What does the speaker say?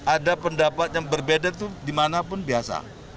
ada pendapat yang berbeda itu dimanapun biasa